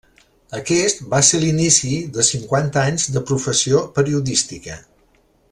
Aquest va ser l'inici de cinquanta anys de professió periodística.